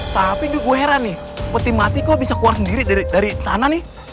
tapi gue heran nih peti mati kok bisa keluar sendiri dari tanah nih